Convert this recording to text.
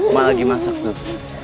mak lagi masak dulu